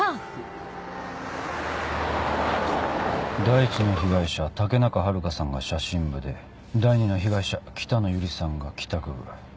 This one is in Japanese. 第１の被害者武中遥香さんが写真部で第２の被害者北野由里さんが帰宅部。